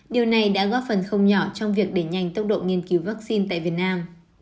điều này đã góp phần không nhỏ trong việc đẩy nhanh tốc độ nghiên cứu vaccine tại việt nam